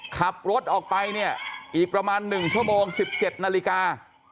ขับรถออกไปเนี่ยอีกประมาณ๑ชั่วโมง๑๗นาฬิกา